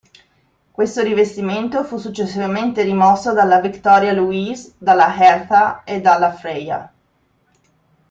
Questo rivestimento fu successivamente rimosso dalla "Victoria Louise", dalla "Hertha" e dalla "Freya".